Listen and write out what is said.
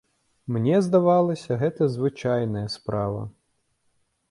Мне здавалася, гэта звычайная справа.